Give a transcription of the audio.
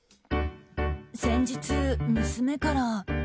先日、娘から。